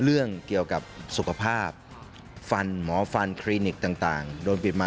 เรื่องเกี่ยวกับสุขภาพฟันหมอฟันคลินิกต่างโดนปิดมา